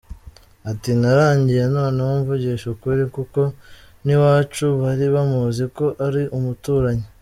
Ati “Naragiye noneho mvugisha ukuri kuko n’iwacu bari bamuzi ko ari umuturanyi.